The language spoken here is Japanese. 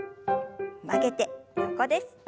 曲げて横です。